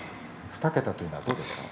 ２桁というのはどうですか？